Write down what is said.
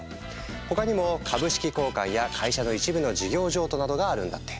他にも「株式交換」や「会社の一部の事業譲渡」などがあるんだって。